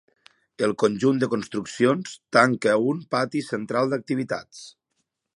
El conjunt de construccions, tanca un pati central d’activitats.